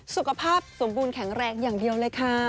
สุขภาพสมบูรณแข็งแรงอย่างเดียวเลยค่ะ